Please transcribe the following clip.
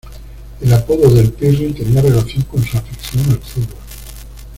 El apodo de "El Pirri" tenía relación con su afición al fútbol.